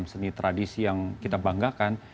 seni tradisi yang kita banggakan